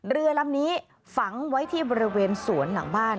เรือลำนี้ฝังไว้ที่บริเวณสวนหลังบ้าน